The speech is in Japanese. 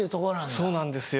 そうなんですよ。